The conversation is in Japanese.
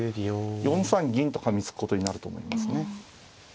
４三銀とかみつくことになると思いますね。